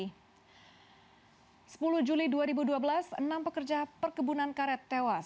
dan pada sepuluh juli dua ribu dua belas enam pekerja perkebunan karet tewas